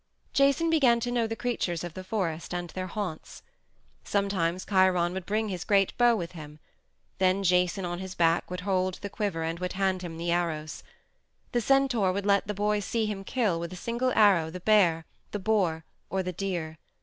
Jason began to know the creatures of the forest and their haunts. Sometimes Chiron would bring his great bow with him; then Jason, on his back, would hold the quiver and would hand him the arrows. The centaur would let the boy see him kill with a single arrow the bear, the boar, or the deer.